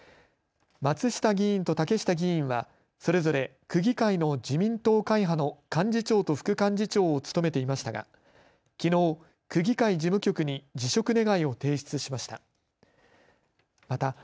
松下議員と竹下議員はそれぞれ区議会の自民党会派の幹事長と副幹事長を務めていましたがきのう、区議会事務局に辞職願を提出しました。